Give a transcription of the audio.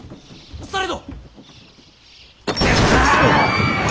されど！